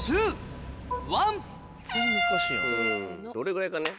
どれぐらいかね。